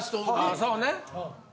あそうね。